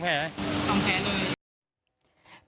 ๒แผลเลย